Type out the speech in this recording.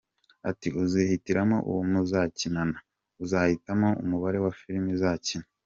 Ati “Uzihitiramo uwo muzakinana, uzanahitamo umubare wa film uzakina.